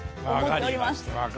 わかりました。